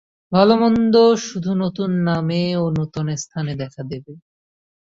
ভাল মন্দ শুধু নূতন নামে ও নূতন স্থানে দেখা দেবে।